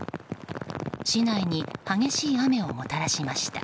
市内に激しい雨をもたらしました。